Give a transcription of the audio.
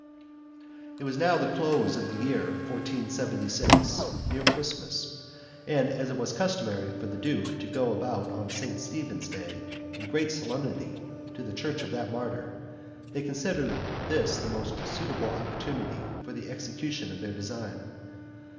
It was now the close of the year 1476, near Christmas, and as it was customary for the duke to go upon St. Stephen's day, in great solemnity, to the church of that martyr, they considered this the most suitable opportunity for the execution of their design.